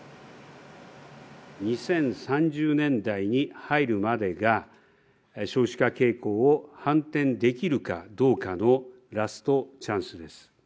２０３０年代に入るまでが、少子化傾向を反転できるかどうかのラストチャンスです。